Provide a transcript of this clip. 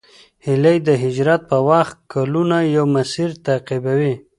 هیلۍ د هجرت په وخت کلونه یو مسیر تعقیبوي